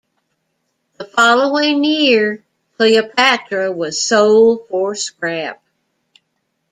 The following year, "Cleopatra" was sold for scrap.